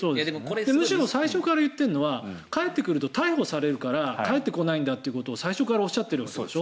むしろ最初から言っているのは帰ってくると逮捕されるから帰ってこないんだということを最初からおっしゃっているわけでしょ。